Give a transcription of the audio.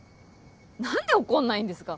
何で怒んないんですか？